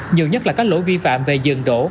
nhiều nhất là các lỗi vi phạm về dường đổ